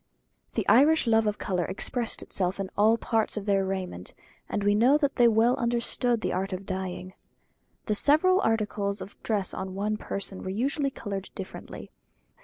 The Irish love of colour expressed itself in all parts of their raiment; and we know that they well understood the art of dyeing. The several articles of dress on one person were usually coloured differently.